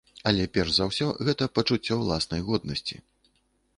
Але перш за ўсё гэта пачуццё ўласнай годнасці.